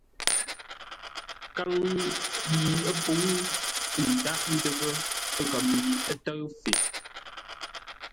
Kǎŋ yi pə̌u ə́ dǎghʼ də́ghʼə́ ghəm yi ə́ tə́ʉ fe.